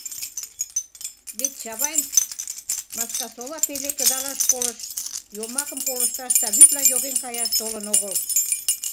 Вет Чавайн Маскасола пеле кыдалаш школыш йомакым колышташ да вӱдла йоген каяш толын огыл.